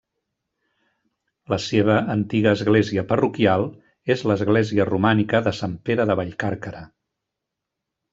La seva antiga església parroquial és l'església romànica de Sant Pere de Vallcàrquera.